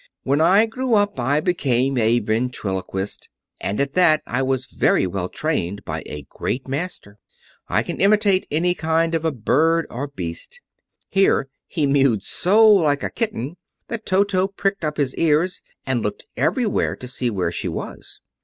"When I grew up I became a ventriloquist, and at that I was very well trained by a great master. I can imitate any kind of a bird or beast." Here he mewed so like a kitten that Toto pricked up his ears and looked everywhere to see where she was.